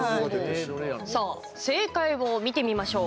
さあ、正解を見てみましょう。